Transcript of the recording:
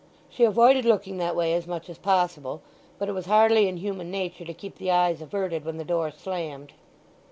She avoided looking that way as much as possible, but it was hardly in human nature to keep the eyes averted when the door slammed.